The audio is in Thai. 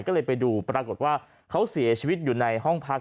ก็เลยไปดูปรากฏว่าเขาเสียชีวิตอยู่ในห้องพัก